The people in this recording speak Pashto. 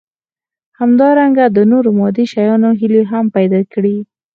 همدارنګه د نورو مادي شيانو هيلې هم پيدا کړي.